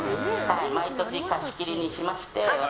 毎年貸し切りにしまして。